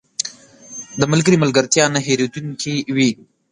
• د ملګري ملګرتیا نه هېریدونکې وي.